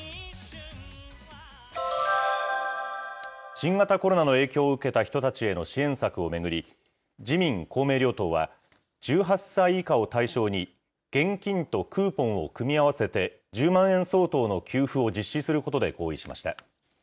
新型コロナの影響を受けた人たちへの支援策を巡り、自民、公明両党は、１８歳以下を対象に、現金とクーポンを組み合わせて、１０万円相当の給付を実施することで合意しました。